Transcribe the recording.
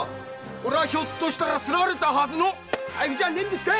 これはひょっとしてすられたはずの財布じゃねえんですか